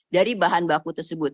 dari bahan baku tersebut